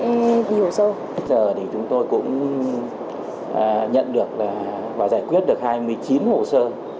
bây giờ thì chúng tôi cũng nhận được và giải quyết được hai mươi chín hồ sơ